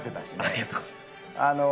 ありがとうございます。